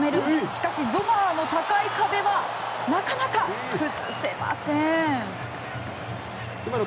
しかしゾマーの高い壁はなかなか崩せません。